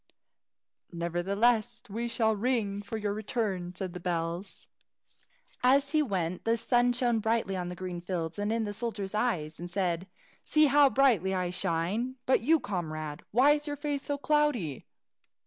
"Nevertheless we shall ring for your return," said the bells. As he went, the sun shone on the green fields, and in the soldier's eyes, and said, "See how brightly I shine! But you, comrade, why is your face so cloudy?"